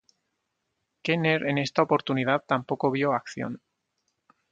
Kenner en esta oportunidad tampoco vio acción.